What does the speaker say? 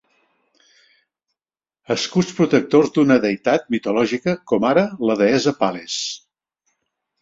Escuts protectors d'una deïtat mitològica com ara la deessa Pal·les.